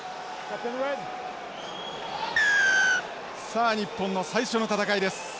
さあ日本の最初の戦いです。